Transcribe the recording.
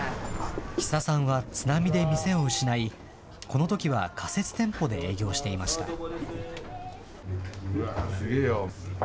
比佐さんは津波で店を失い、このときは仮設店舗で営業していました。